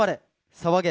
騒げ！